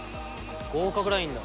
合格ラインだ。